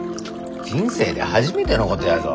人生で初めてのことやぞ！